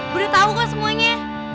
gue udah tau kok semuanya